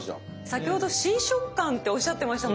先ほど新食感っておっしゃってましたもんね。